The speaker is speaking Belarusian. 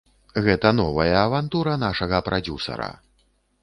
Гэта новая авантура нашага прадзюсара.